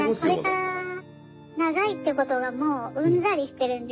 これから長いということがもううんざりしてるんですよ。